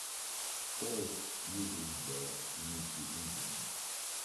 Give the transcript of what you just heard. "Forced" uses the Unity engine.